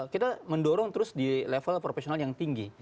kita mendorong terus di level profesional yang tinggi